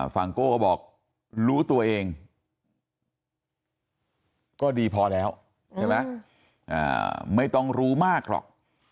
ฟังโก้ก็บอกรู้ตัวเองก็ดีพอแล้วไม่ต้องรู้มากหรอก